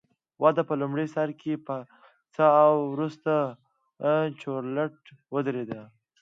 وده په لومړي سر کې پڅه او وروسته چورلټ ودرېده